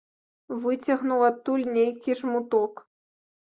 Выцягнуў адтуль нейкі жмуток.